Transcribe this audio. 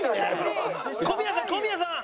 小宮さん小宮さん！